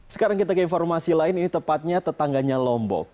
sekarang kita ke informasi lain ini tepatnya tetangganya lombok